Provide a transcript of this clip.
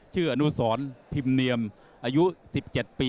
ชื่ออนุสรพิมเนียมอายุ๑๗ปี